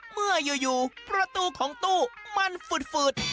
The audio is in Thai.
เมื่ออยู่ประตูของตู้มันฝืด